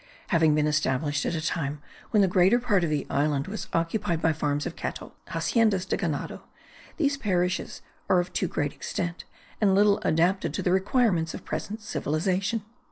Having been established at a time when the greater part of the island was occupied by farms of cattle (haciendas de ganado), these parishes are of too great extent, and little adapted to the requirements of present civilization.